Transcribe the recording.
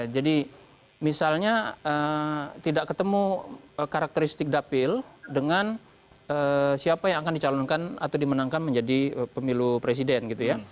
jadi misalnya tidak ketemu karakteristik dapil dengan siapa yang akan dicalonkan atau dimenangkan menjadi pemilu presiden